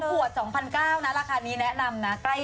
ขวด๒๙๐๐นะราคานี้แนะนำนะ